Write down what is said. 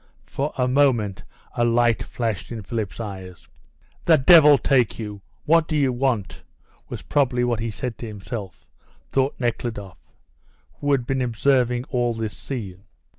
For a moment a light flashed in Philip's eyes. "'The devil take you! What do you want?' was probably what he said to himself," thought Nekhludoff, who had been observing all this scene.